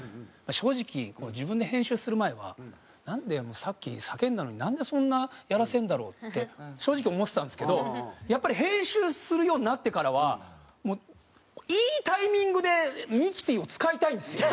正直自分で編集する前は「なんだよ。さっき叫んだのになんでそんなやらせるんだろう？」って正直思ってたんですけどやっぱり編集するようになってからはもういいタイミングで「ミキティ」を使いたいんですよ。